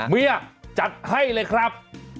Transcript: เมียจัดให้เลยครับ